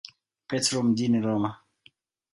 Petro mjini Roma.